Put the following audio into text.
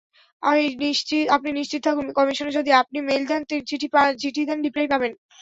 আপনি নিশ্চিত থাকুন কমিশনে যদি আপনি মেইল দেন, চিঠি দেন, রিপ্লাই পাবেন।